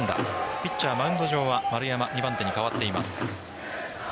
ピッチャー、マウンド上は丸山、２番手に代わっています。